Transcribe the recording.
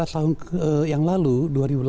dua belas tahun yang lalu dua ribu delapan itu